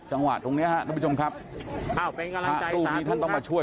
จังหวะตรงเนี้ยฮะท่านผู้ชมครับพระรูปนี้ท่านต้องมาช่วย